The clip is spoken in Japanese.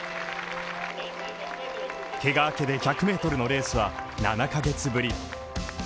怪我明けで１００ｍのレースは７ヶ月ぶり。